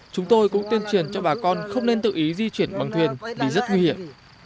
chúng tôi cũng tuyên truyền cho bà con không nên tự ý di chuyển bằng thuyền vì rất nguy hiểm